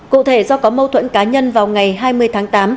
cụ thể do có mâu thuẫn cá nhân vào ngày hai mươi tháng tám